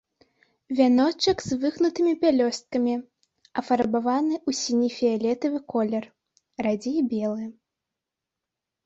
Вяночак з выгнутымі пялёсткамі, афарбаваны ў сіне-фіялетавы колер, радзей белы.